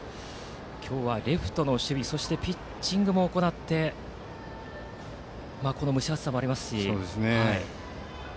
今日はレフトの守備とピッチングも行ってこの蒸し暑さもありますし。